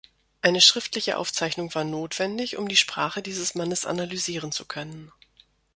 Eine schriftliche Aufzeichnung war notwendig, um die Sprache dieses Mannes analysieren zu können.